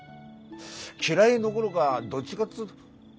嫌いどころかどっちかっつうと。